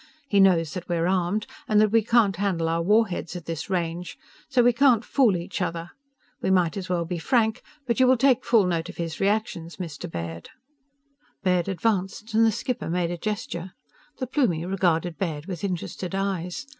He knows that we're armed, and that we can't handle our war heads at this range! So we can't fool each other. We might as well be frank. But you will take full note of his reactions, Mr. Baird!" Baird advanced, and the skipper made a gesture. The Plumie regarded Baird with interested eyes.